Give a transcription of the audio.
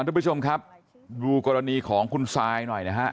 ทุกผู้ชมครับดูกรณีของคุณซายหน่อยนะฮะ